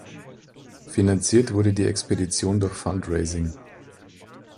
Finanziert wurde die Expedition durch Fundraising.